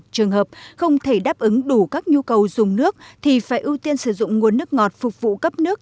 trường hợp không thể đáp ứng đủ các nhu cầu dùng nước thì phải ưu tiên sử dụng nguồn nước ngọt phục vụ cấp nước